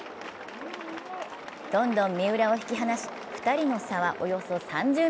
どんどん三浦を引き離し、２人の差はおよそ３０ｍに。